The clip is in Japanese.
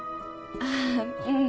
ああうん。